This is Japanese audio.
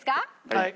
はい。